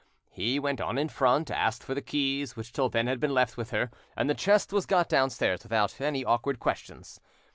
He went on in front, asked for the keys, which till then had been left with her, and the chest was got downstairs without any awkward questions.